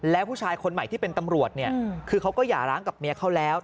แล้วผู้ชายคนใหม่ที่เป็นตำรวจเนี่ยคือเขาก็หย่าร้างกับเมียเขาแล้ว